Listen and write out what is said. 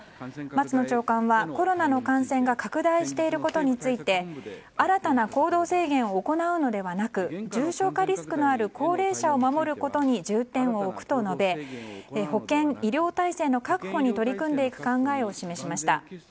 松野長官はコロナの感染が拡大していることについて新たな行動制限を行うのではなく重症化リスクのある高齢者を守ることに重点を置くと述べ保健医療体制の確保に取り組んでいく考えを示しました。